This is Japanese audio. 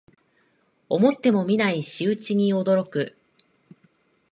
思ってもみない仕打ちに驚く